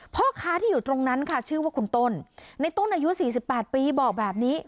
พ่อค้าที่อยู่ตรงนั้นค่ะชื่อว่าคุณต้นในต้นอายุ๔๘ปีบอกแบบนี้